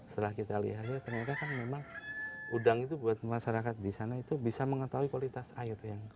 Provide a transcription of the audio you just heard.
setelah kita lihatnya ternyata kan memang udang itu buat masyarakat disana itu bisa mengetahui kualitas airnya